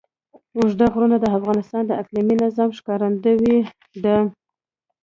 اوږده غرونه د افغانستان د اقلیمي نظام ښکارندوی ده.